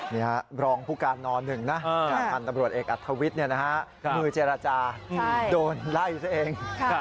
นี่ฮะรองผู้การนอนหนึ่งนะตำรวจเอกอัธวิทย์เนี่ยนะฮะมือเจรจาโดนไล่เอง